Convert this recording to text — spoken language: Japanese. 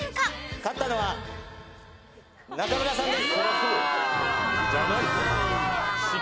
勝ったのは中村さんです。